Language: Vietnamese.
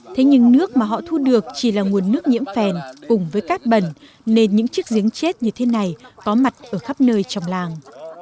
thế nhưng nước mà họ thu được chỉ là nguồn nước nhiễm phèn cùng với cát bẩn nên những chiếc giếng chết như thế này có mặt ở khắp nơi trong làng